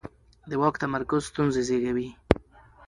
د واک تمرکز ستونزې زېږوي